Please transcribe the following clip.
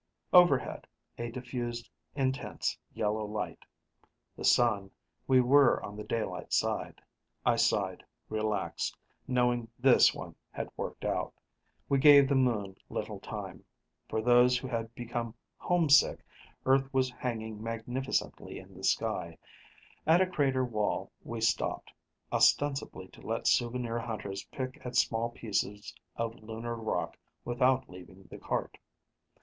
Overhead, a diffused, intense yellow light. The sun we were on the daylight side. I sighed, relaxed, knowing this one had worked out. We gave the moon little time. For those who had become homesick, Earth was hanging magnificently in the sky. At a crater wall, we stopped, ostensibly to let souvenir hunters pick at small pieces of lunar rock without leaving the cart.